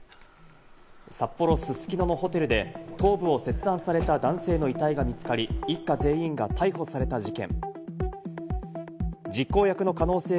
札幌・すすきののホテルで頭部の切断された男性の遺体が見つかり、一家全員が逮捕された事件。